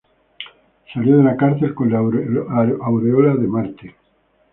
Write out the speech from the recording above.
Salió de la cárcel con la aureola de "mártir".